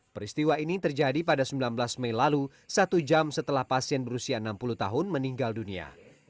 peristiwa ini terjadi pada sembilan belas mei lalu satu jam setelah pasien berusia enam puluh tahun meninggal dunia